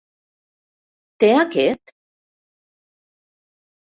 Té aquest.?